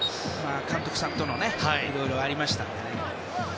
監督さんともいろいろありましたので。